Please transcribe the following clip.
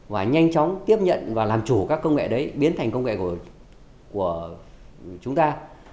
và nhanh chóng tiếp nhận và làm chủ các công nghệ đấy biến thành công nghệ của chúng ta